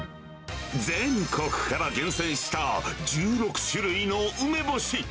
全国から厳選した１６種類の梅干し。